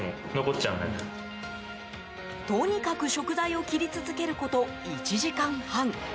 とにかく食材を切り続けること１時間半。